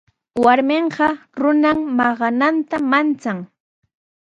Warmiqa qusan maqananta manchan.